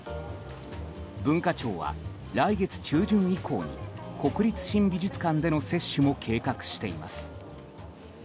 文化庁は、来月中旬以降に国立新美術館での接種も計画しています。